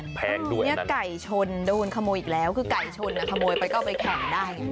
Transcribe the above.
เนี่ยไก่ชนโดดควรขโมยอีกแล้วคือไก่ชนอะขโมยไปกับไปแข่งได้